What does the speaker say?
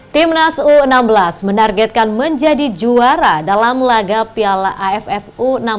timnas u enam belas menargetkan menjadi juara dalam laga piala aff u enam belas